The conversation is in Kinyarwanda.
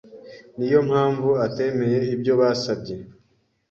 Niyo mpamvu atemeye ibyo basabye.